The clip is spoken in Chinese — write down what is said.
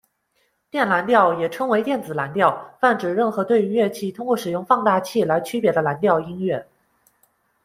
电蓝调也称为电子蓝调，泛指任何对于乐器通过使用放大器来区别的蓝调音乐。